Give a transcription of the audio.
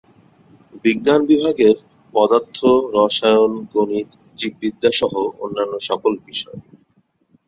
বিজ্ঞান বিভাগের পদার্থ, রসায়ন, গণিত, জীববিদ্যা সহ অন্যান্য সকল বিষয়।